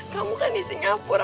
kamu kan di singapura